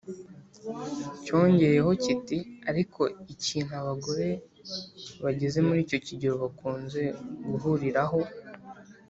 Cyongeyeho kiti ariko ikintu abagore bageze muri icyo kigero bakunze guhuriraho